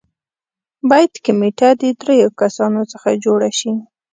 باید کمېټه د دریو کسانو څخه جوړه شي.